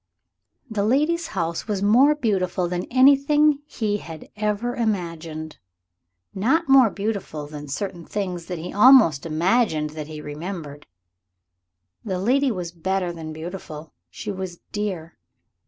The lady's house was more beautiful than anything he had ever imagined yet not more beautiful than certain things that he almost imagined that he remembered. The lady was better than beautiful, she was dear.